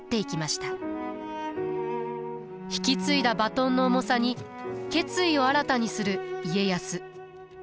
引き継いだバトンの重さに決意を新たにする家康。